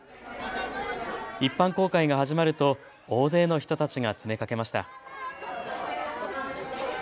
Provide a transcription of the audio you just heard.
一般公開が始まると大勢の人たちが詰めかけました。